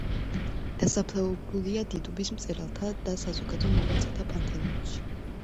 დასაფლავებულია დიდუბის მწერალთა და საზოგადო მოღვაწეთა პანთეონში.